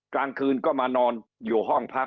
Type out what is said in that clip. กลางคืนก็มานอนอยู่ห้องพัก